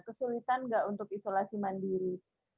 kesulitan nggak untuk isolasi mandiri